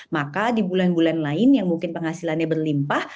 maka di bulan bulan lain yang mungkin penghasilannya berlimpah